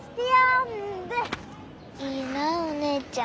いいなお姉ちゃん。